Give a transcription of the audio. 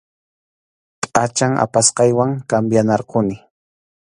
Pʼachan apasqaywan cambianayarquni.